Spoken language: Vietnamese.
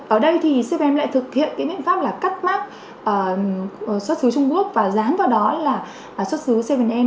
ở đây thì bảy am lại thực hiện biện pháp cắt mát xuất xứ trung quốc và dán vào đó là xuất xứ bảy am